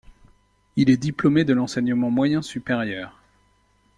Il est diplômé de l'enseignement moyen supérieur.